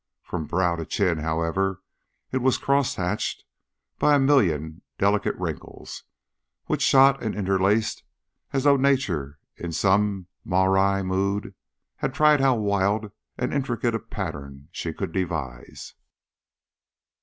From brow to chin, however, it was cross hatched by a million delicate wrinkles, which shot and interlaced as though Nature in some Maori mood had tried how wild and intricate a pattern she could devise.